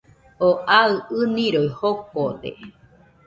Oo aɨ ɨniroi jokode